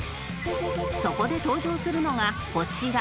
そこで登場するのがこちら